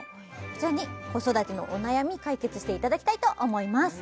こちらに子育てのお悩み解決していただきたいと思います